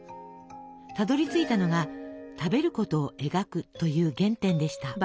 たどりついたのが「食べることを描く」という原点でした。